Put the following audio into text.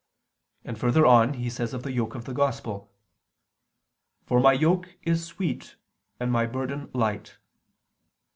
And further on He says of the yoke of the Gospel: "For My yoke is sweet and My burden light."